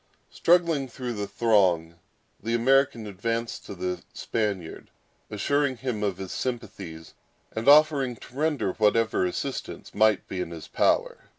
Struggling through the throng, the American advanced to the Spaniard, assuring him of his sympathies, and offering to render whatever assistance might be in his power.